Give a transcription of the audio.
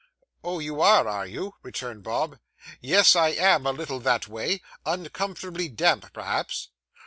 'Oh, you are, are you?' returned Bob. 'Yes, I am, a little that way, Uncomfortably damp, perhaps.